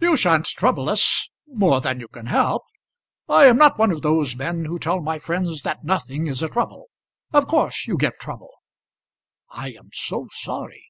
"You sha'n't trouble us more than you can help. I am not one of those men who tell my friends that nothing is a trouble. Of course you give trouble." "I am so sorry!"